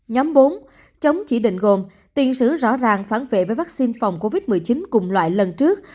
nhóm bốn chống chỉ định gồm tiền sử rõ ràng phản vệ với vaccine phòng covid một mươi chín cùng loại lần trước